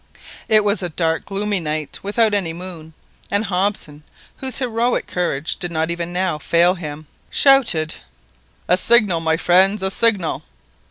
It was a dark gloomy night, without any moon, and Hobson, whose heroic courage did not even now fail him, shouted— "A signal, my friends! a signal!"